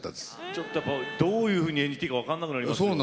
ちょっとやっぱどういうふうに演じていいか分かんなくなりますよね。